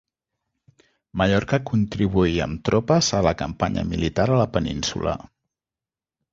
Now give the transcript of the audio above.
Mallorca contribuí amb tropes a la campanya militar a la península.